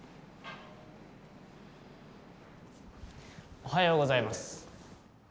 おはようございます。